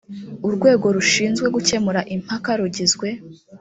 urwego rushinzwe gucyemura impaka rugizwe